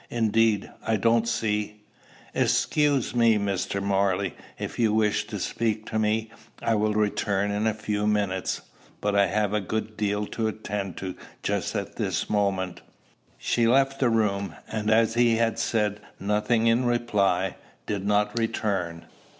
Indeed, I don't see" "Excuse me, Mr. Morley. If you wish to speak to me, I will return in a few minutes; but I have a good deal to attend to just at this moment." She left the room; and, as he had said nothing in reply, did not return.